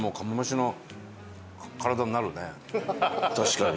確かに。